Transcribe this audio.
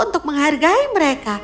untuk menghargai mereka